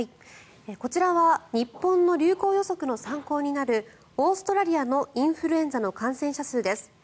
こちらは日本の流行予測の参考になるオーストラリアのインフルエンザの感染者数です。